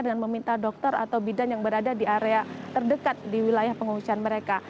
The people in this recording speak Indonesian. dengan meminta dokter atau bidan yang berada di area terdekat di wilayah pengungsian mereka